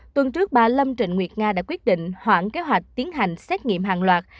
tuần trước bà lâm trịnh nguyệt nga đã quyết định hoãn kế hoạch tiến hành xét nghiệm hàng loạt